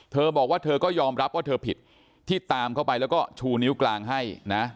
เธอบอกว่าเธอก็ยอมรับว่าเธอผิดที่ตามเข้าไปแล้วก็ชูนิ้วกลางให้นะ